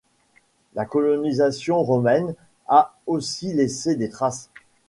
La colonisation romaine a aussi laissé des traces.